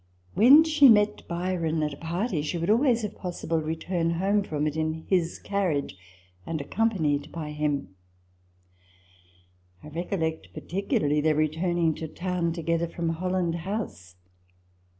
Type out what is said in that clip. When she met Byron at a party, she would always, if possible, return home from it in his carriage, and accom panied by him : I recollect particularly their return ing to town together from Holland House.